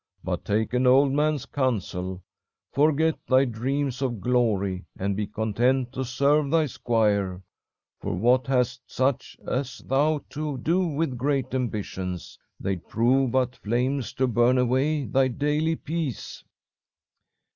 'But take an old man's counsel. Forget thy dreams of glory, and be content to serve thy squire. For what hast such as thou to do with great ambitions? They'd prove but flames to burn away thy daily peace.'